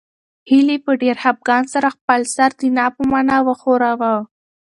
هیلې په ډېر خپګان سره خپل سر د نه په مانا وښوراوه.